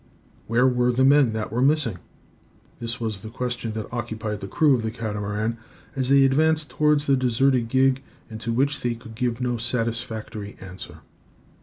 Where were the men that were missing? This was the question that occupied the crew of the Catamaran, as they advanced towards the deserted gig and to which they could give no satisfactory answer.